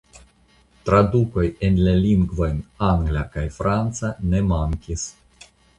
Tradukoj en la lingvojn angla kaj franca ne mankis.